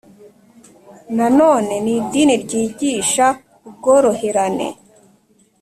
nanone ni idini ryigisha ubworoherane